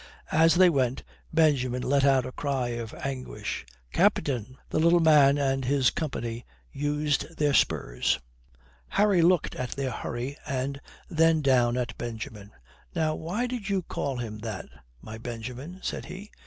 As they went, Benjamin let out a cry of anguish: "Captain!" The little man and his company used their spurs. Harry looked at their hurry and then down at Benjamin. "Now why did you call him that, my Benjamin?" said he.